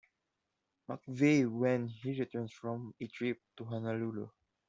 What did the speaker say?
McVeigh when he returns from a trip to Honolulu.